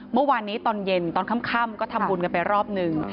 เมื่อวานนี้ตอนเย็นตอนค่ำก็ทำบุญกันไปรอบหนึ่ง